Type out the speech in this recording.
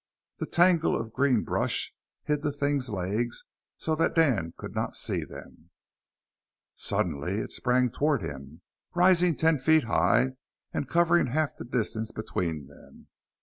The tangle of green brush hid the thing's legs, so that Dan could not see them. Suddenly it sprang toward him, rising ten feet high and covering half the distance between them.